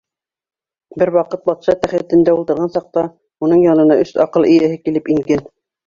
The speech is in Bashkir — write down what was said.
Бер ваҡыт батша тәхетендә ултырған саҡта, уның янына өс аҡыл эйәһе килеп ингән.